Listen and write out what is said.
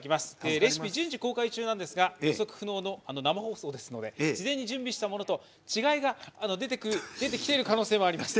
レシピ順次公開中なんですが予測不能の生放送ですので事前に準備したものと違いが出てきている可能性もあります。